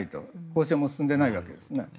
交渉も進んでいないわけですね。